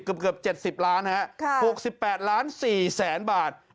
เกือบเกือบเจ็ดสิบล้านนะฮะค่ะหกสิบแปดล้านสี่แสนบาท